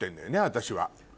私は。